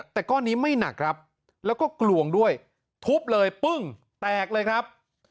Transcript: แต่ก้อนนี้ไม่หนักครับแล้วก็กลวงด้วยทุบเลยปึ้งแตกเลยครับ